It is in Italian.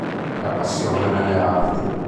La Passione nelle arti.